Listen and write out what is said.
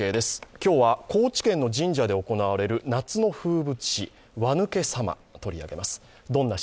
今日は高知県の神社で行われる夏の風物詩輪抜け様を取り上げます。